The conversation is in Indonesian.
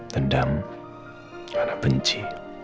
dendam karena benci